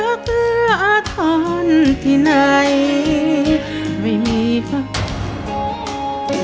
ขอจองในจ่ายของคุณตะกะแตนชลดานั่นเองนะครับ